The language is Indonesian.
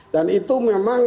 dan itu memang